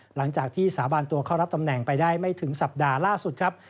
หลังจากที่สาบานตัวเข้ารับตำแหน่งไปได้ไม่ถึงสัปดาห์ล่าสุดครับ